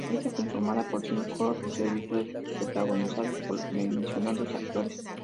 Está conformada por cinco episodios, todos protagonizados por los mencionados actores.